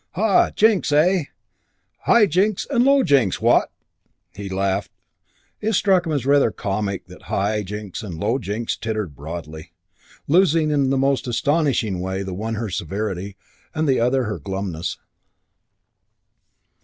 "Ha! Jinks, eh? High Jinks and Low Jinks, what?" He laughed. It struck him as rather comic; and High Jinks and Low Jinks tittered broadly, losing in the most astonishing way the one her severity and the other her glumness.